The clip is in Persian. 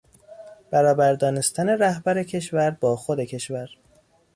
برابر دانستن رهبر کشور با خود کشور